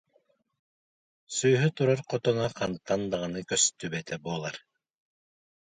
сүөһү турар хотоно хантан даҕаны көстүбэтэ буолар